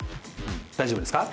大丈夫ですか？